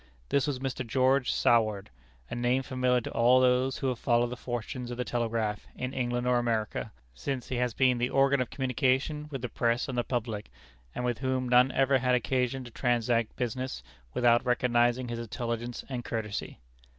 This was Mr. George Saward a name familiar to all who have followed the fortunes of the telegraph, in England or America, since he has been the organ of communication with the press and the public; and with whom none ever had occasion to transact business without recognizing his intelligence and courtesy.